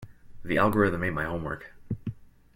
The algorithm ate my homework.